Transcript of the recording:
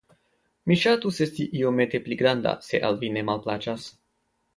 mi ŝatus esti iomete pli granda, se al vi ne malplaĉas.